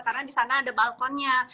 karena di sana ada balkonnya